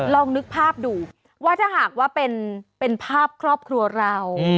ลองนึกภาพดูว่าถ้าหากว่าเป็นภาพครอบครัวเรา